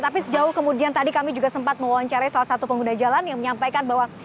tapi sejauh kemudian tadi kami juga sempat mewawancarai salah satu pengguna jalan yang menyampaikan bahwa